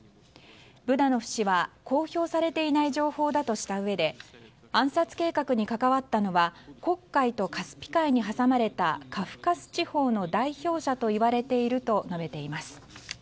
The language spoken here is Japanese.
ブダノフ氏は公表されていない情報だとしたうえで暗殺計画に関わったのは黒海とカスピ海に挟まれたカフカス地方の代表者といわれていると述べています。